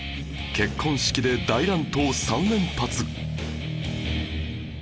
結婚式で大乱闘３連発